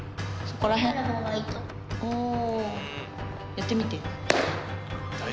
やってみて。